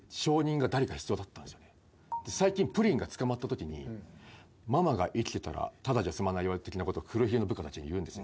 最近プリンが捕まったときにママが生きてたらただじゃ済まないわよ的なこと黒ひげの部下たちに言うんですよ。